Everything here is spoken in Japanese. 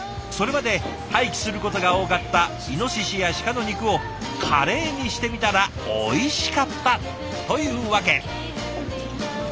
それまで廃棄することが多かったイノシシやシカの肉をカレーにしてみたらおいしかったというわけ。